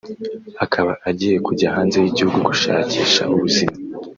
akaba agiye kujya hanze y’igihugu gushakisha ubuzima